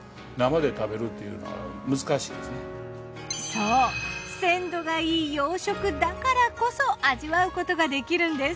そう鮮度がいい養殖だからこそ味わうことができるんです。